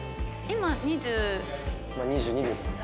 今２２です。